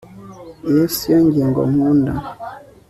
iyo siyo ngingo nkunda